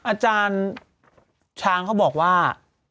อาจารย์ช้างเขาบอกว่า